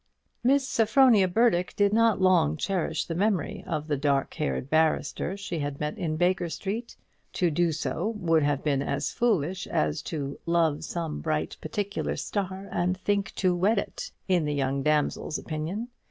Miss Sophronia Burdock did not long cherish the memory of the dark haired barrister she had met in Baker Street. To do so would have been as foolish as to "love some bright particular star, and think to wed it," in the young damsel's opinion.